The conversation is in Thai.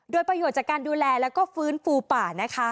โดยประโยชน์จากการดูแลแล้วก็ฟื้นฟูป่านะคะ